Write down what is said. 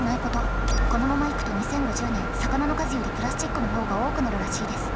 このままいくと２０５０年魚の数よりプラスチックの方が多くなるらしいです。